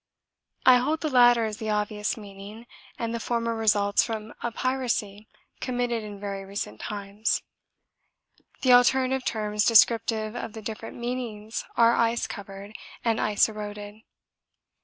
I hold the latter is the obvious meaning and the former results from a piracy committed in very recent times. The alternative terms descriptive of the different meanings are ice covered and ice eroded.